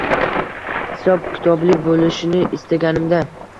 Hisob-kitobli bo‘lishini istaganimda